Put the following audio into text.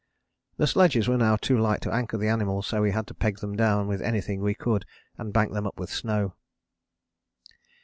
The sledges were now too light to anchor the animals, so we had to peg them down with anything we could and bank them up with snow.